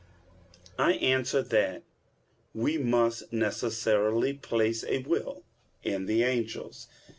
I answer that, We must necessarily place a will in the angels.